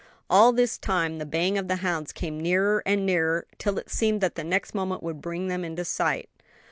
All this time the baying of the hounds came nearer and nearer, till it seemed that the next moment would bring them into sight.